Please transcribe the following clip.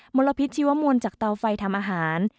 ลพิษชีวมวลจากเตาไฟทำอาหาร